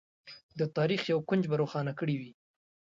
د تاریخ یو کونج به روښانه کړی وي.